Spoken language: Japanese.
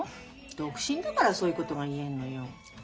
独身だからそういうことが言えんのよ。